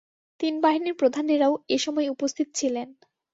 তিন বাহিনীর প্রধানেরাও এ সময় উপস্থিত ছিলেন।